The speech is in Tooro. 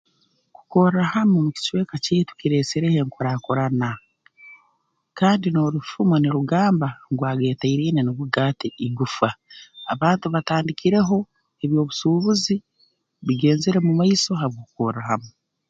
Kukorra hamu mu kicweka kyaitu kireesereho enkurakurana kandi n'orufumo nirugamba ngu ageeteraine nugo gaata igufa abantu batandikireho eby'obusuubuzi bigenzere mu maiso habw'okukorra hamu